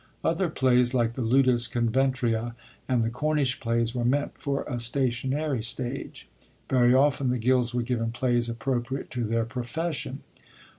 Other plays like the Ludvs CoverUrice and the Cornish Plays were meant for a stationary stage. Very often the gilds were given plays appropriate to their profession.